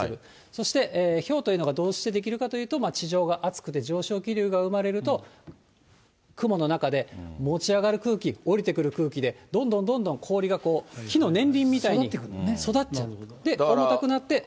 そしてひょうというのがどうして出来るかというと、地上が暑くて上昇気流が生まれると、雲の中で持ち上がる空気、下りてくる空気で、どんどんどんどん氷が木の年輪みたいに育っていく。